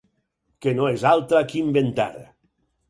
Que no és altra que inventar.